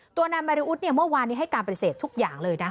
ตัวนายมาริอุทเมื่อวานนี้ให้การปฏิเสธทุกอย่างเลยนะ